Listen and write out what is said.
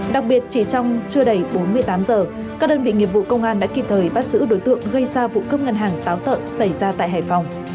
đặc biệt chỉ trong chưa đầy bốn mươi tám giờ các đơn vị nghiệp vụ công an đã kịp thời bắt giữ đối tượng gây ra vụ cướp ngân hàng táo tợn xảy ra tại hải phòng